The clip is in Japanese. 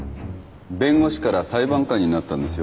弁護士から裁判官になったんですよ